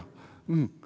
うん。